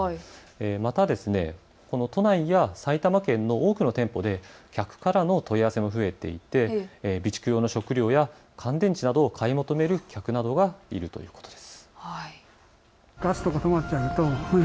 また都内や埼玉県の多くの店舗で客からの問い合わせも増えていて備蓄用の食料や乾電池などを買い求める客などがいるということです。